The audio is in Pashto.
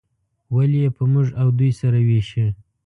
ولې یې په موږ او دوی سره ویشي.